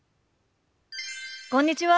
こんにちは。